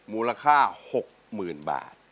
มูลค่า๖หมื่นบาท